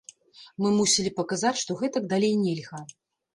Мы мусілі паказаць, што гэтак далей нельга.